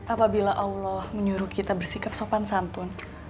apabila allah menyuruh kita bersikap sopan santun